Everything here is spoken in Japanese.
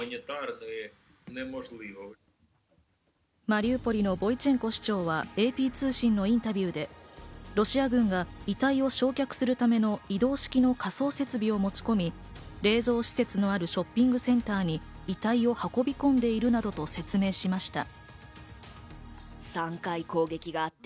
マリウポリのボイチェンコ市長はＡＰ通信のインタビューでロシア軍が遺体を焼却するための移動式の火葬設備を持ち込み冷蔵施設のあるショッピングセンターに遺体を運び込んでいるなどと説明しました。